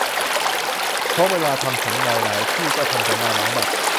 เพราะเวลาทำสำเนา หลายที่ก็ทำสำเนาหลังบัตร